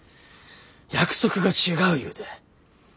約束が違う言うて。